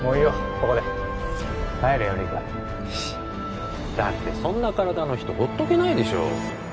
ここで帰れよ陸だってそんな体の人ほっとけないでしょ